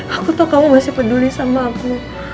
aku tahu kamu masih peduli sama aku